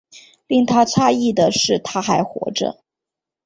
令他讶异的是她还活着